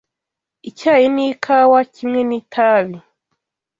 Icyayi n’ikawa, kimwe n’itabi